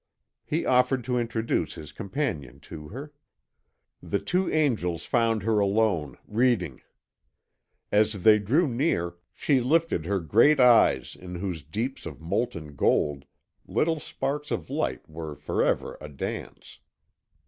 He offered to introduce his companion to her. The two angels found her alone, reading. As they drew near she lifted her great eyes in whose deeps of molten gold little sparks of light were forever a dance.